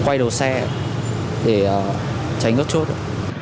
em quay đầu xe để tránh gất chốt ạ